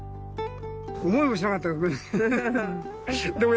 思いもしなかったけどね。